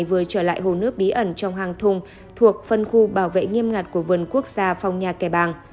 đoàn thám hiểm này vừa trở lại hồ nước bí ẩn trong hang thùng thuộc phân khu bảo vệ nghiêm ngặt của vườn quốc gia phong nhà kẻ bàng